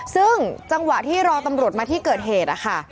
ซึ่งจังหวะที่รอตำรวจมาที่เกิดเหตุนะคะ